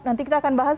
nanti kita akan bahas